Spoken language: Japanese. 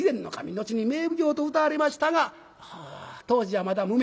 後に名奉行とうたわれましたが当時はまだ無名。